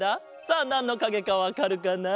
さあなんのかげかわかるかな？